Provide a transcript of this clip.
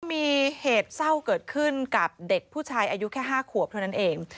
มีเหตุเศร้าเกิดขึ้นกับเด็กผู้ชายอายุแค่๕ขวบเท่านั้นเอง